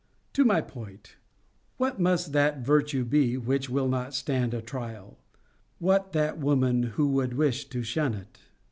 To my point 'What must that virtue be which will not stand a trial? What that woman who would wish to shun it?'